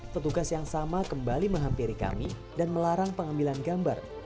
petugas yang sama kembali menghampiri kami dan melarang pengambilan gambar